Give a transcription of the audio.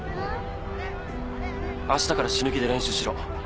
あしたから死ぬ気で練習しろ。